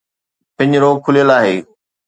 پنجرو کليل آهي.